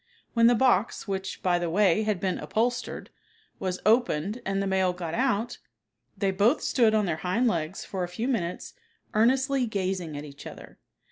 When the box, which, by the way, had been upholstered, was opened and the male got out, they both stood on their hind legs for a few minutes earnestly gazing at each other.